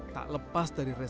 tak lepas dari resiko